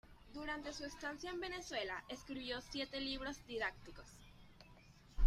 Durante su estancia en Venezuela escribió siete libros didácticos.